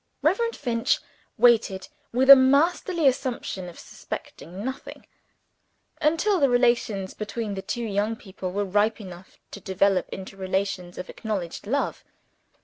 Reverend Finch waited, with a masterly assumption of suspecting nothing, until the relations between the two young people were ripe enough to develop into relations of acknowledged love.